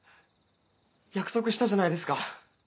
約束したじゃないですか。